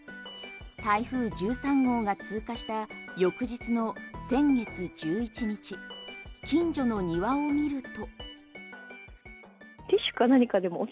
台風１３号が通過した翌日の先月１１日近所の庭を見ると。